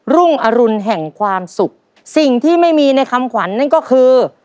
รุ่งอรุณแห่งความสุขสิ่งที่ไม่มีในคำขวัญนั่นก็คือ